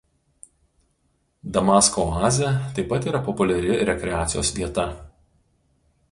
Damasko oazė taip pat yra populiari rekreacijos vieta.